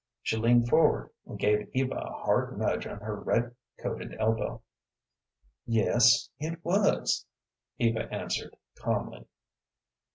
She leaned forward and gave Eva a hard nudge on her red coated elbow. "Yes, it was," Eva answered, calmly.